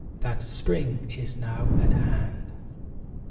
That, "Spring is now at hand."